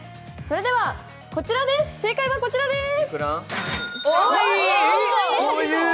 正解はこちらでーす。